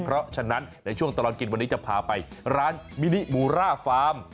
เพราะฉะนั้นในช่วงตลอดกินวันนี้จะพาไปร้านมินิมูร่าฟาร์ม